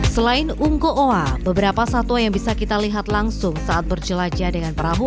selain unggu wa beberapa satwa yang bisa kita lihat langsung saat bercelajah dengan perahu